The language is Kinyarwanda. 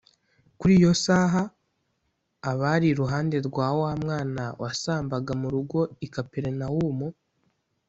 Kuri iyo saha abari iruhande rwa wa mwana wasambaga mu rugo i Kaperinawumu